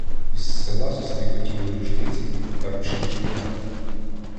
Із села затріскотіли рушниці та ручні кулемети.